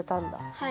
はい。